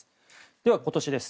では、今年です。